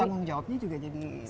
tentang jawabnya juga jadi besar ya